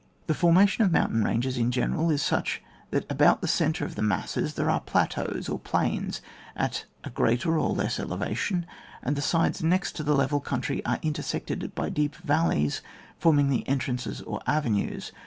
The formation of mountain ranges in general is such that about the centre of tiie masses, there are plateaux or plains at a greater or less elevation, and the sides next to the level country are intersected by deep valleys forming the entrances or avenues.